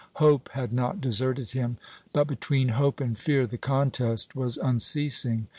Hope had not deserted him; but between hope and fear the contest was unceasing.